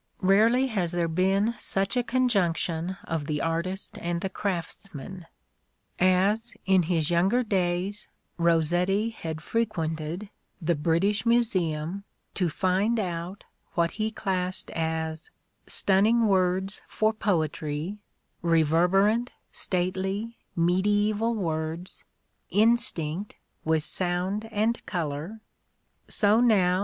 Rarely has there been such a conjunction of the artist and the craftsman. As, in his younger days Rossetti had frequented the British Museum to find out what he classed as stunning words for poetry, " reverberant, stately, mediaeval words, instinct with sound and colour, — so now A DAY WITH ROSSETTI.